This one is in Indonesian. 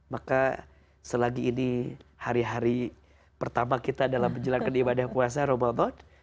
maka selagi ini hari hari pertama kita dalam menjalankan ibadah puasa ramadan